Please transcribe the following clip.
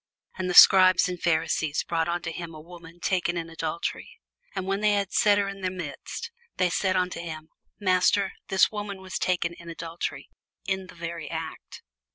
And the scribes and Pharisees brought unto him a woman taken in adultery; and when they had set her in the midst, they say unto him, Master, this woman was taken in adultery, in the very act.